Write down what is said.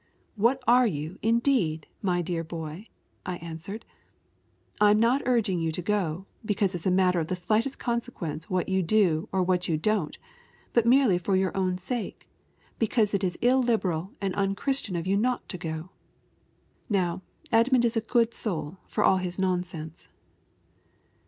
'What are you, indeed, my dear boy,' I answered. 'I'm not urging you to go, because it's a matter of the slightest consequence what you do or what you don't, but merely for your own sake, because it is illiberal and unchristian of you not to go.' Now, Edmund is a good soul, for all his nonsense."